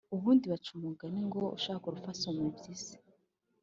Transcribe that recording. ubundi baca umugani ngo “ushaka urupfu asoma impyisi”»